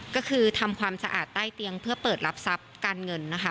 ก็คือทำความสะอาดใต้เตียงเพื่อเปิดรับทรัพย์การเงินนะคะ